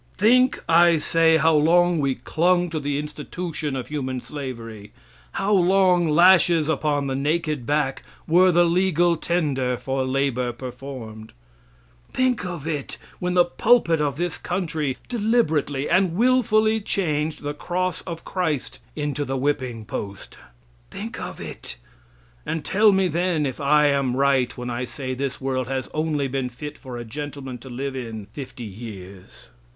Think, I say, how long we clung to the institution of human slavery; how long lashes upon the naked back were the legal tender for labor performed! Think of it! when the pulpit of this country deliberately and willfully changed the Cross of Christ into the whipping post. Think of it! And tell me then if I am right when I say this world has only been fit for a gentleman to live in fifty years.